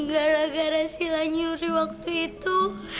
gara gara sila nyuri waktu itu